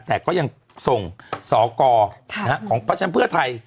แต่ก็ยังส่งศอกรของประชาชนเพื่อไทย